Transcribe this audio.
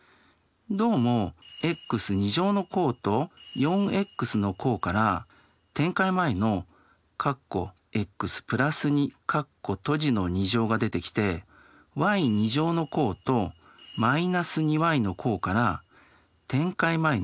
どうもｘの項と４ｘの項から展開前のが出てきてｙの項と−２ｙの項から展開前のが出てきそうです。